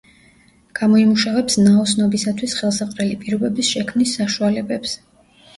გამოიმუშავებს ნაოსნობისათვის ხელსაყრელი პირობების შექმნის საშუალებებს.